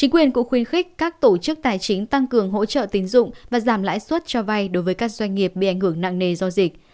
quyền cũng khuyến khích các tổ chức tài chính tăng cường hỗ trợ tín dụng và giảm lãi suất cho vay đối với các doanh nghiệp bị ảnh hưởng nặng nề do dịch